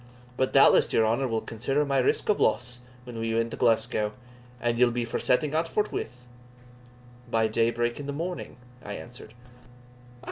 But doubtless your honour will consider my risk of loss when we win to Glasgow and ye'll be for setting out forthwith?" "By day break in the morning," I answered.